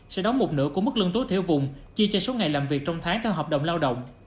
sẽ đóng một nửa của mức lương tối thiểu vùng chi cho số ngày làm việc trong tháng theo hợp đồng lao động